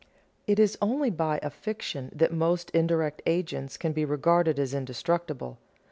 It is only by a fiction that most indirect agents can be regarded as indestructible.